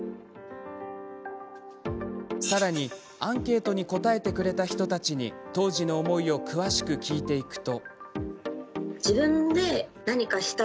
さらに、アンケートに答えてくれた人たちに当時の思いを詳しく聞いていくと。